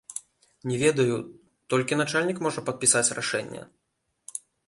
Не ведаю, толькі начальнік можа падпісаць рашэнне?